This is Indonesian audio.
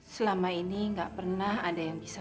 selama ini nggak pernah ada yang bisa